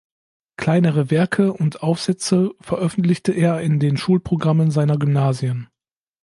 Kleinere Werke und Aufsätze veröffentlichte er in den Schulprogrammen seiner Gymnasien.